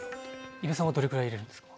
伊武さんはどれぐらい入れるんですか？